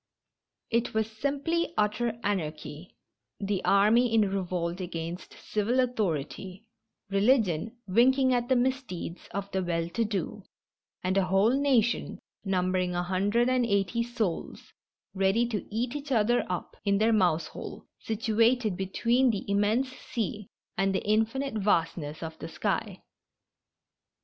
It was simply utter anarchy — the army in revolt against civil authority, religion winking at the misdeeds of the well to do, and a whole nation, numbering a hundred and eighty souls, ready to eat each other up in their mouse hole, situated between the immense sea and the infinite vastness of the sky.'